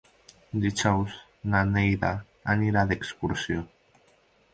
Dijous na Neida anirà d'excursió.